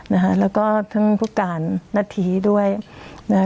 นะฮะแล้วก็ทั้งผู้การหน้าทีด้วยเนี่ย